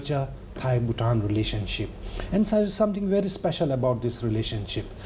พระเจ้าพระเจ้าที่สุดมีสิ่งที่เป็นสิมโบราณ